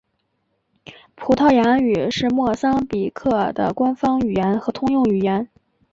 葡萄牙语是莫桑比克的官方语言和通用语言。